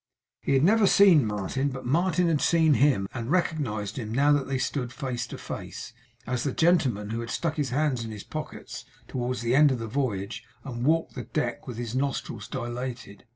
He had never seen Martin, but Martin had seen him, and recognized him, now that they stood face to face, as the gentleman who had stuck his hands in his pockets towards the end of the voyage, and walked the deck with his nostrils dilated.